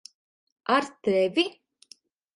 Ar tevi?